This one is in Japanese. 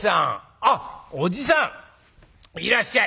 「あっおじさんいらっしゃい」。